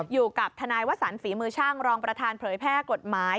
อยู่กับทนายวสันฝีมือช่างรองประธานเผยแพร่กฎหมาย